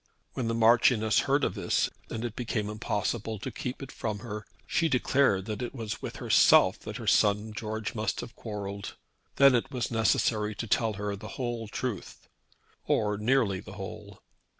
When the Marchioness heard of this, and it became impossible to keep it from her, she declared that it was with herself that her son George must have quarrelled. Then it was necessary to tell her the whole truth, or nearly the whole.